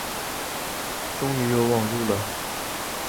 终于有网路了